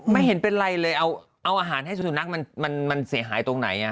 ไม่เห็นเป็นไรเลยเอาอาหารให้สุนัขมันเสียหายตรงไหน